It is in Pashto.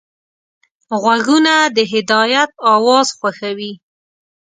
غوږونه د هدایت اواز خوښوي